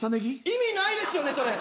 意味ないですよね、それ。